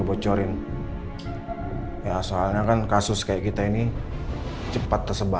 bocorin ya soalnya kan kasus kayak kita ini cepat tersebar